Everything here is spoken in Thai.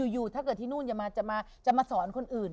อยู่ถ้าเกิดที่นู่นจะมาสอนคนอื่น